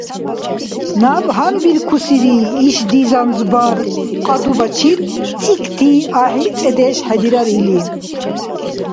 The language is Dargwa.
Наб гьанбиркусири ишди занзбар кьадубачир цӀикӀти ахӀи цӀедеш хӀедирар или.